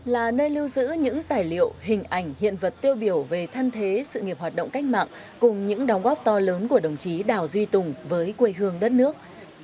là nơi lưu giữ những tài liệu hình ảnh hiện vật tiêu biểu về thân thế sự nghiệp hoạt động cách mạng cùng những đóng góp to lớn của đồng chí đảo duy tùng với quê hương đất nước